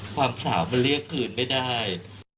ความสาวมันเรียกคืนไม่ได้